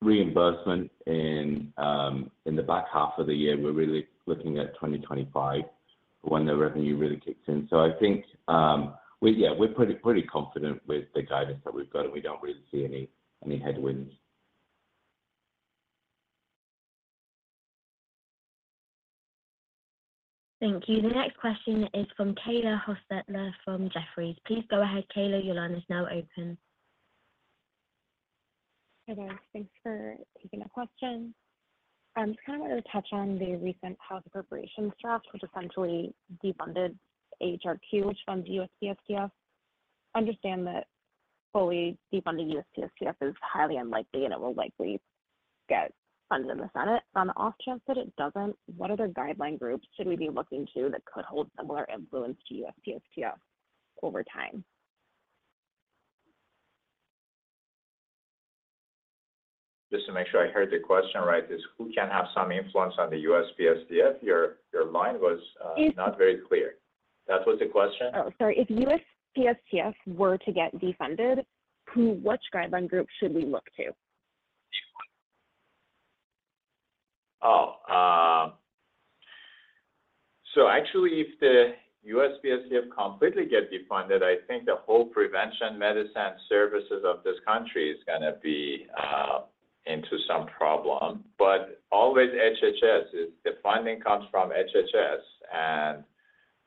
reimbursement in the back half of the year. We're really looking at 2025 when the revenue really kicks in. So I think, yeah, we're pretty confident with the guidance that we've got, and we don't really see any headwinds. Thank you. The next question is from Kayla Hostetler from Jefferies. Please go ahead, Kayla. Your line is now open. Hello. Thanks for taking the question. I just kind of wanted to touch on the recent House appropriations draft, which essentially defunded AHRQ, which funds USPSTF. I understand that fully defunding USPSTF is highly unlikely, and it will likely get funded in the Senate. On the off chance that it doesn't, what other guideline groups should we be looking to that could hold similar influence to USPSTF over time? Just to make sure I heard the question right, is who can have some influence on the USPSTF? Your line was not very clear. That was the question? Oh, sorry. If USPSTF were to get defunded, which guideline group should we look to? Oh. So actually, if the USPSTF completely gets defunded, I think the whole prevention medicine services of this country is going to be into some problem. But always HHS, the funding comes from HHS,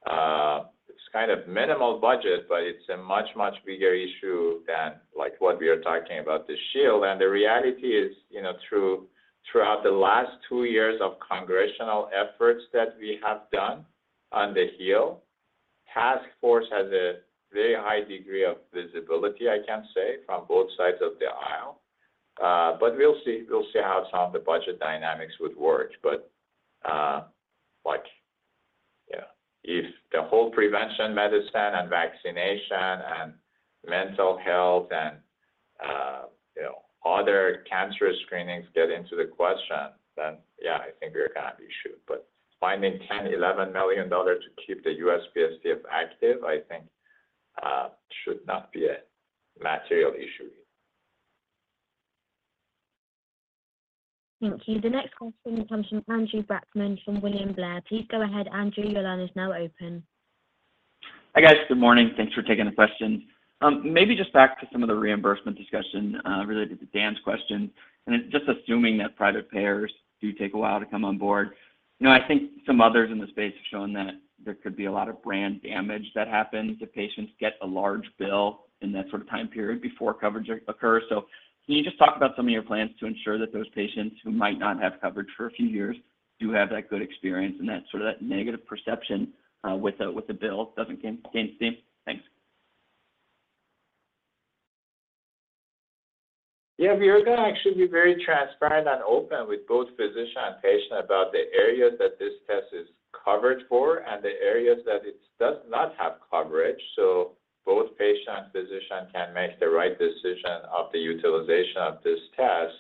and it's kind of minimal budget, but it's a much, much bigger issue than what we are talking about, the Shield. And the reality is, throughout the last two years of congressional efforts that we have done on the Hill, the Task Force has a very high degree of visibility, I can say, from both sides of the aisle. But we'll see how some of the budget dynamics would work. But yeah, if the whole prevention medicine and vaccination and mental health and other cancerous screenings get into the question, then yeah, I think we're going to have an issue. Finding $10 million-$11 million to keep the USPSTF active, I think should not be a material issue here. Thank you. The next question comes from Andrew Brackmann from William Blair. Please go ahead, Andrew. Your line is now open. Hi, guys. Good morning. Thanks for taking the question. Maybe just back to some of the reimbursement discussion related to Dan's question. Just assuming that private payers do take a while to come on board, I think some others in the space have shown that there could be a lot of brand damage that happens if patients get a large bill in that sort of time period before coverage occurs. Can you just talk about some of your plans to ensure that those patients who might not have coverage for a few years do have that good experience and that sort of negative perception with the bill doesn't gain steam? Thanks. Yeah. We are going to actually be very transparent and open with both physician and patient about the areas that this test is covered for and the areas that it does not have coverage. So both patient and physician can make the right decision of the utilization of this test.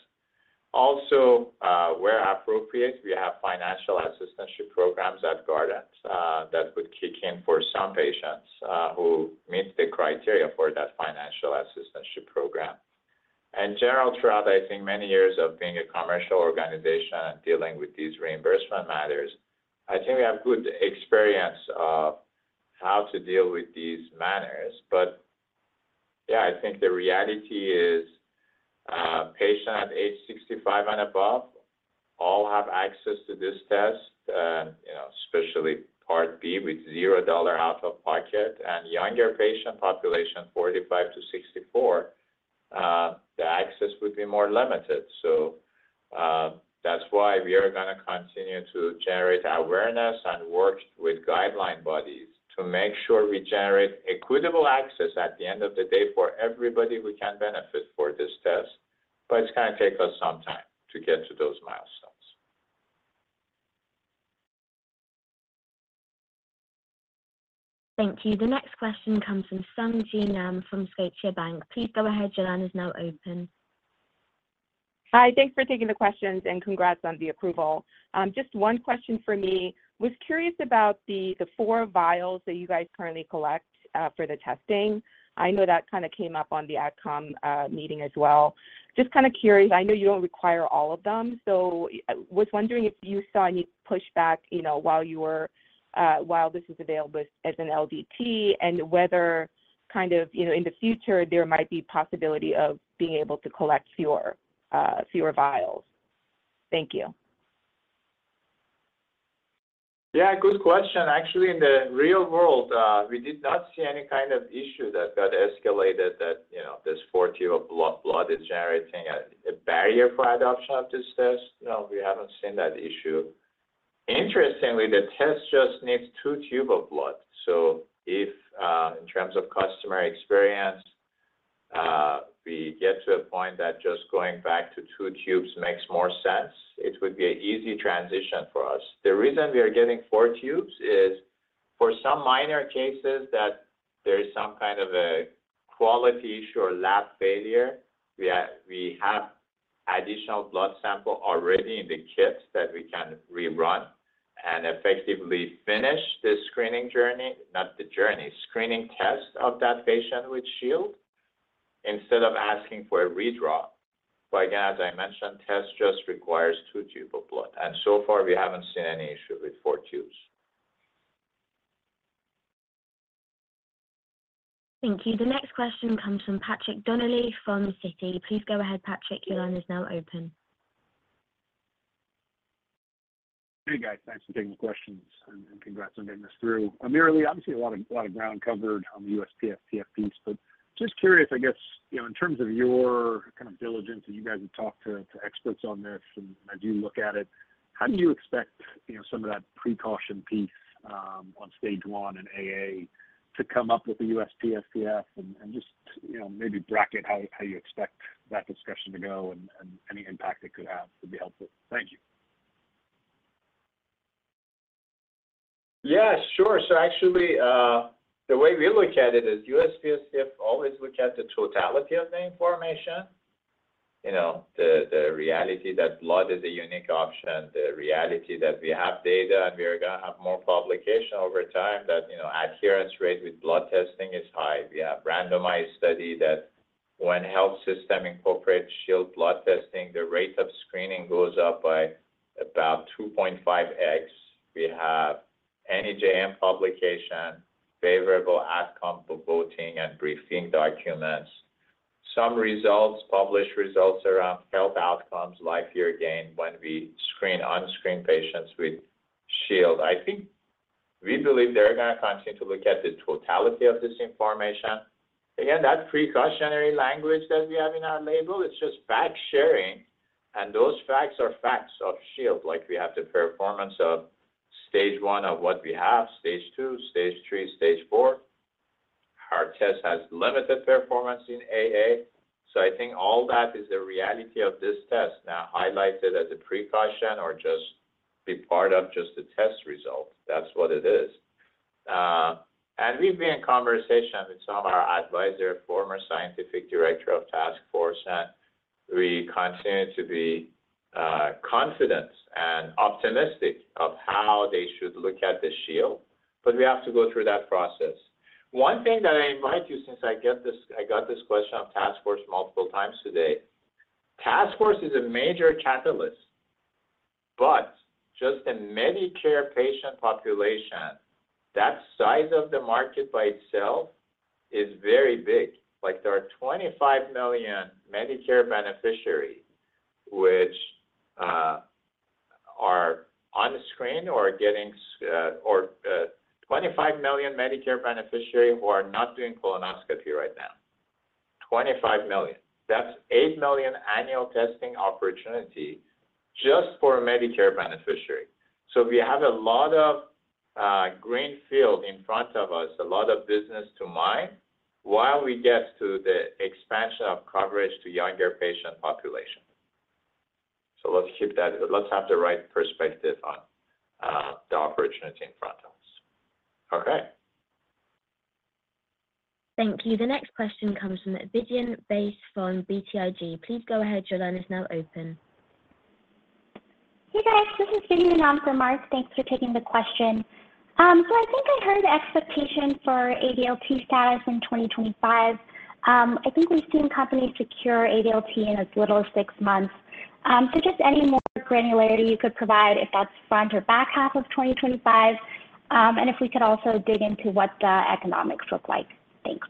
Also, where appropriate, we have financial assistance programs at Guardant that would kick in for some patients who meet the criteria for that financial assistance program. In general, throughout, I think, many years of being a commercial organization and dealing with these reimbursement matters, I think we have good experience of how to deal with these matters. But yeah, I think the reality is patients at age 65 and above all have access to this test, especially Part B with $0 out of pocket. And younger patient population, 45 to 64, the access would be more limited. That's why we are going to continue to generate awareness and work with guideline bodies to make sure we generate equitable access at the end of the day for everybody who can benefit from this test. It's going to take us some time to get to those milestones. Thank you. The next question comes from Sung Ji Nam from Scotiabank. Please go ahead. Your line is now open. Hi. Thanks for taking the questions, and congrats on the approval. Just one question for me. I was curious about the 4 vials that you guys currently collect for the testing. I know that kind of came up on the AdCom meeting as well. Just kind of curious. I know you don't require all of them. So I was wondering if you saw any pushback while this is available as an LDT and whether kind of in the future there might be a possibility of being able to collect fewer vials. Thank you. Yeah. Good question. Actually, in the real world, we did not see any kind of issue that got escalated that this 4 tubes of blood is generating a barrier for adoption of this test. No, we haven't seen that issue. Interestingly, the test just needs 2 tubes of blood. So in terms of customer experience, we get to a point that just going back to 2 tubes makes more sense. It would be an easy transition for us. The reason we are getting 4 tubes is for some minor cases that there is some kind of a quality issue or lab failure, we have additional blood sample already in the kit that we can rerun and effectively finish the screening journey—not the journey—screening test of that patient with Shield instead of asking for a redraw. But again, as I mentioned, test just requires 2 tubes of blood. So far, we haven't seen any issue with 4 tubes. Thank you. The next question comes from Patrick Donnelly from Citi. Please go ahead, Patrick. Your line is now open. Hey, guys. Thanks for taking the questions, and congrats on getting this through. AmirAli, obviously, a lot of ground covered on the USPSTF piece, but just curious, I guess, in terms of your kind of diligence, and you guys have talked to experts on this, and as you look at it, how do you expect some of that precaution piece on stage 1 and AA to come up with the USPSTF? And just maybe bracket how you expect that discussion to go and any impact it could have would be helpful. Thank you. Yeah. Sure. So actually, the way we look at it is USPSTF always look at the totality of the information. The reality that blood is a unique option, the reality that we have data, and we are going to have more publication over time that adherence rate with blood testing is high. We have randomized study that when health system incorporates Shield blood testing, the rate of screening goes up by about 2.5x. We have NEJM publication, favorable AdCom voting, and briefing documents. Some results, published results around health outcomes, life year gain when we screen unscreened patients with Shield. I think we believe they're going to continue to look at the totality of this information. Again, that precautionary language that we have in our label, it's just fact-sharing, and those facts are facts of Shield. We have the performance of stage 1 of what we have, stage 2, stage 3, stage 4. Our test has limited performance in AA. So I think all that is the reality of this test now highlighted as a precaution or just be part of just the test result. That's what it is. We've been in conversation with some of our advisor, former Scientific Director of Task Force, and we continue to be confident and optimistic of how they should look at the Shield. But we have to go through that process. One thing that I invite you since I got this question of Task Force multiple times today, Task Force is a major catalyst, but just the Medicare patient population, that size of the market by itself is very big. There are 25 million Medicare beneficiaries who are not doing colonoscopy right now. 25 million. That's 8 million annual testing opportunity just for a Medicare beneficiary. So we have a lot of greenfield in front of us, a lot of business to mine while we get to the expansion of coverage to younger patient population. So let's keep that. Let's have the right perspective on the opportunity in front of us. Okay. Thank you. The next question comes from Vidyun Bais from BTIG. Please go ahead. Your line is now open. Hey, guys. This is Vidyun on for Mark. Thanks for taking the question. I think I heard the expectation for ADLT status in 2025. I think we've seen companies secure ADLT in as little as six months. Just any more granularity you could provide if that's front or back half of 2025, and if we could also dig into what the economics look like. Thanks.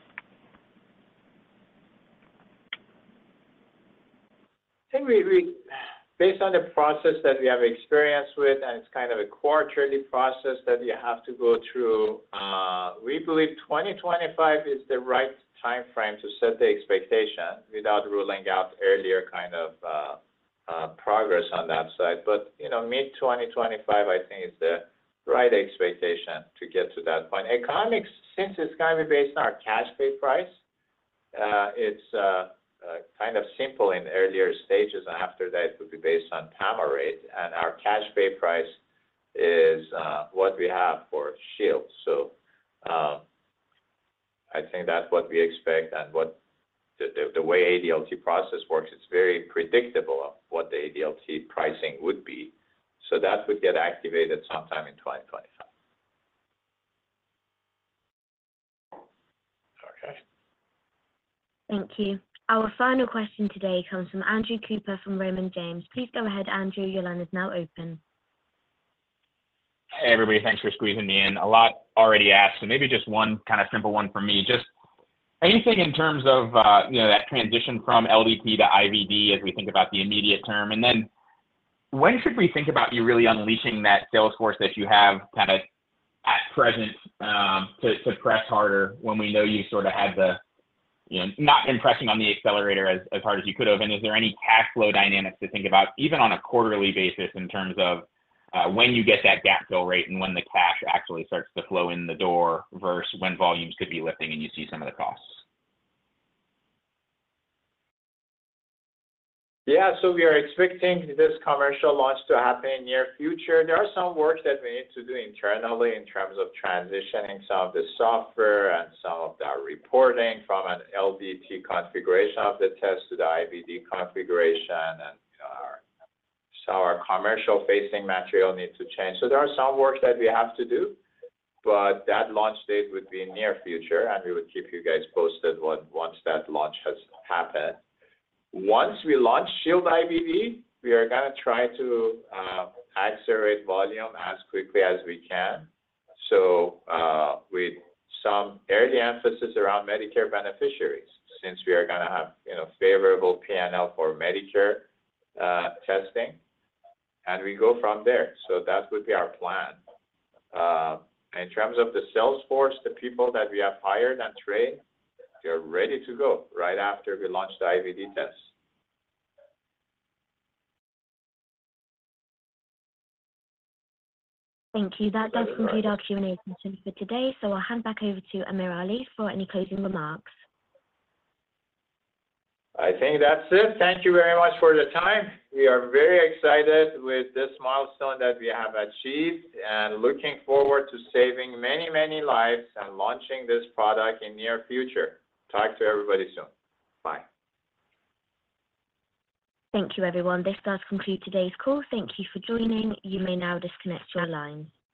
I think based on the process that we have experience with, and it's kind of a quarterly process that you have to go through, we believe 2025 is the right time frame to set the expectation without ruling out earlier kind of progress on that side. But mid-2025, I think, is the right expectation to get to that point. Economics, since it's going to be based on our cash pay price, it's kind of simple in earlier stages, and after that, it would be based on power rate. And our cash pay price is what we have for Shield. So I think that's what we expect. And the way ADLT process works, it's very predictable of what the ADLT pricing would be. So that would get activated sometime in 2025. Okay. Thank you. Our final question today comes from Andrew Cooper from Raymond James. Please go ahead, Andrew. Your line is now open. Hey, everybody. Thanks for squeezing me in. A lot already asked. So maybe just one kind of simple one from me. Just anything in terms of that transition from LDT to IVD as we think about the immediate term. And then when should we think about you really unleashing that sales force that you have kind of at present to press harder when we know you sort of had not pressing on the accelerator as hard as you could have? And is there any cash flow dynamics to think about, even on a quarterly basis, in terms of when you get that gap fill rate and when the cash actually starts to flow in the door versus when volumes could be lifting and you see some of the costs? Yeah. So we are expecting this commercial launch to happen in the near future. There are some work that we need to do internally in terms of transitioning some of the software and some of the reporting from an LDT configuration of the test to the IVD configuration. And some of our commercial-facing material needs to change. So there are some work that we have to do, but that launch date would be in the near future, and we would keep you guys posted once that launch has happened. Once we launch Shield IVD, we are going to try to accelerate volume as quickly as we can. So with some early emphasis around Medicare beneficiaries since we are going to have favorable P&L for Medicare testing, and we go from there. So that would be our plan. In terms of the sales force, the people that we have hired and trained, they're ready to go right after we launch the IVD test. Thank you. That does conclude our Q&A session for today. So I'll hand back over to AmirAli for any closing remarks. I think that's it. Thank you very much for the time. We are very excited with this milestone that we have achieved and looking forward to saving many, many lives and launching this product in the near future. Talk to everybody soon. Bye. Thank you, everyone. This does conclude today's call. Thank you for joining. You may now disconnect your line.